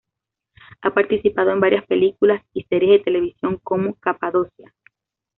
Ha participado en varias películas y series de televisión como "Capadocia".